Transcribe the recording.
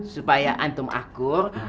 supaya antum akur